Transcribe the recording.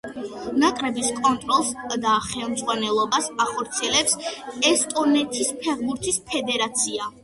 ნაკრების კონტროლს და ხელმძღვანელობას ახორციელებს ესტონეთის ფეხბურთის ფედერაცია.